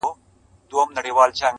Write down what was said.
یوه خولگۍ خو مسته” راته جناب راکه”